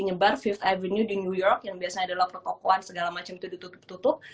menyebar five avenue di new york yang biasanya adalah pertokoan segala macam itu ditutup tutup